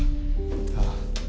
ああ。